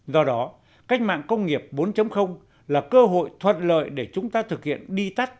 do đó cách mạng công nghiệp bốn là cơ hội thuận lợi để chúng ta thực hiện đi tắt